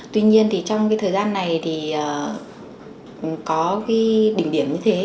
tuy nhiên trong thời gian này có đỉnh điểm như thế